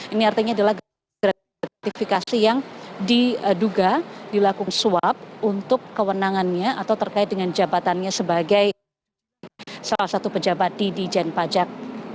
ini artinya adalah gratifikasi yang diduga dilakukan suap untuk kewenangannya atau terkait dengan jabatannya sebagai salah satu pejabat di dijen pajak